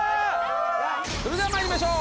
それでは参りましょう。